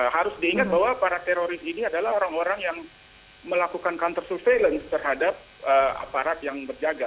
harus diingat bahwa para teroris ini adalah orang orang yang melakukan counter surveillance terhadap aparat yang berjaga